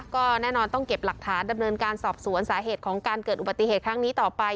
ก็แน่นอนต้องเก็บหลักฐานดำเนินการสอบสวนสาเหตุของการเกิดอุบัติเหตุครั้งนี้ต่อไป